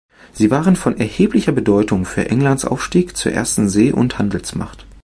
Sie waren von erheblicher Bedeutung für Englands Aufstieg zur ersten See- und Handelsmacht.